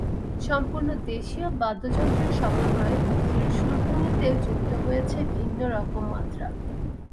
সম্পূর্ণ দেশীয় বাদ্যযন্ত্রের সমন্বয়ে পুঁথির সুরভঙ্গিতে যুক্ত হয়েছে ভিন্ন রকম মাত্রা।